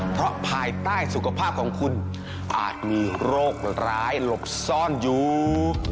เพราะภายใต้สุขภาพของคุณอาจมีโรคร้ายหลบซ่อนอยู่